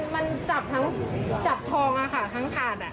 มันจับทองค่ะทางถาด